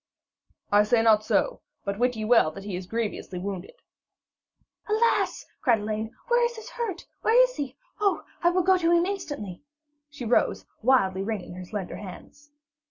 'I say not so, but wit ye well that he is grievously wounded.' 'Alas!' cried Elaine, 'what is his hurt? Where is he? Oh, I will go to him instantly.' She rose, wildly ringing her slender hands.